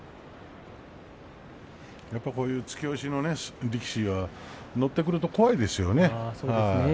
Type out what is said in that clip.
やっぱりこういう突き押しの力士は、乗ってくると怖いですよね。